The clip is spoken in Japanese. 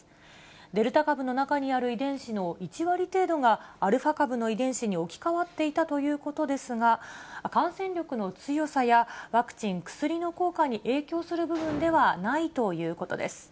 デルタ株の中にある遺伝子の１割程度がアルファ株の遺伝子に置き換わっていたということですが、感染力の強さやワクチン・薬の効果に影響する部分ではないということです。